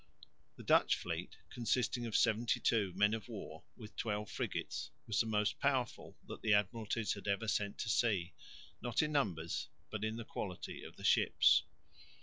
The Dutch fleet, consisting of seventy two men of war with twelve frigates, was the most powerful that the Admiralties had ever sent to sea, not in numbers but in the quality of the ships.